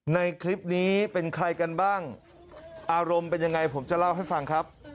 ในคลิปนี้เป็นใครกันบ้างอารมณ์เป็นยังไงผมจะเล่าให้ฟังครับ